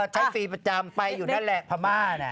ใช้ฟรีประจำไปอยู่นั่นแหละพม่าเนี่ย